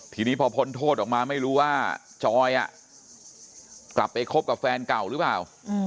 ทีนี้พอพ้นโทษออกมาไม่รู้ว่าจอยกลับไปคบกับแฟนเก่าหรือเปล่า